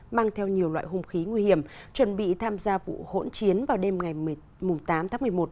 mang theo nhiều loại hung khí nguy hiểm chuẩn bị tham gia vụ hỗn chiến vào đêm ngày tám tháng một mươi một